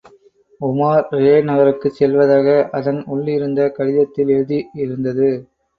உமார் ரே நகருக்குச் செல்வதாக அதன் உள் இருந்த கடிதத்தில் எழுதியிருந்தது.